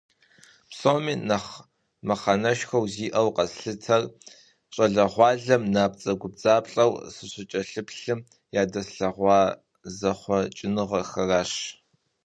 Псом нэхъ мыхьэнэшхуэ зиӏэу къэслъытэр, щӏалэгъуалэм набдзэгубдзаплъэу сыщыкӏэлъыплъым, ядэслъэгъуа зэхъуэкӏыныгъэхэращ.